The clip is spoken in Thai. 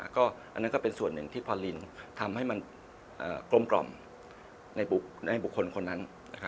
อันนั้นก็เป็นส่วนหนึ่งที่พอลินทำให้มันกลมในบุคคลคนนั้น